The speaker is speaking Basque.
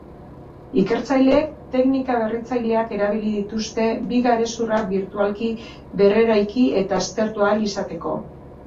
Ikertzaileek teknika berritzaileak erabili dituzte bi garezurrak birtualki berreraiki eta aztertu ahal izateko.